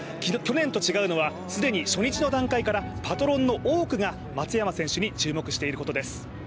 去年と違うのは既に初日の段階からパトロンの多くが松山選手に注目していることです。